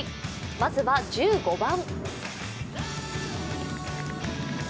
まずは１５番。